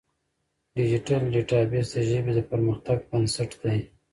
ډیجیټل ډیټابیس د ژبې د پرمختګ بنسټ دی.